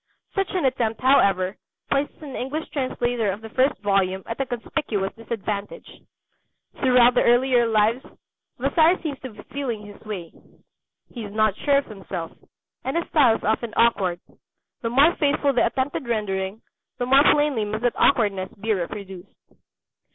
Such an attempt, however, places an English translator of the first volume at a conspicuous disadvantage. Throughout the earlier Lives Vasari seems to be feeling his way. He is not sure of himself, and his style is often awkward. The more faithful the attempted rendering, the more plainly must that awkwardness be reproduced.